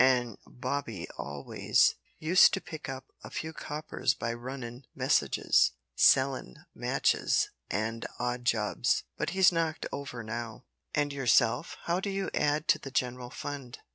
An' Bobby always used to pick a few coppers by runnin' messages, sellin' matches, and odd jobs. But he's knocked over now." "And yourself. How do you add to the general fund?"